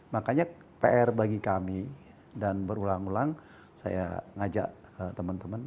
makanya pr bagi kami dan berulang ulang saya ngajak teman teman